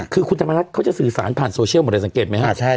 คือคุณธรรมนัฐเขาจะสื่อสารผ่านโซเชียลหมดเลยสังเกตไหมครับ